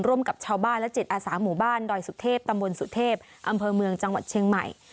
กับชาวบ้านและจิตอาสาหมู่บ้านดอยสุเทพตำบลสุเทพอำเภอเมืองจังหวัดเชียงใหม่